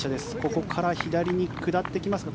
ここから左に下ってきますか。